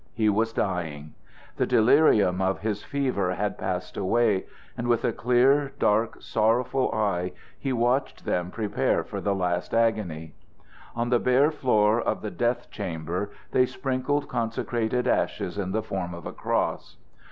He was dying. The delirium of his fever had passed away, and with a clear, dark, sorrowful eye he watched them prepare for the last agony. On the bare floor of the death chamber they sprinkled consecrated ashes in the form of a cross.